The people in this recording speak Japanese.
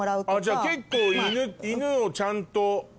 じゃあ結構犬をちゃんと。